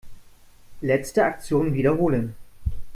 Letzte Aktion wiederholen.